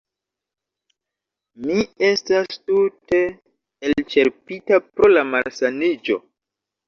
Mi estas tute elĉerpita pro la malsaniĝo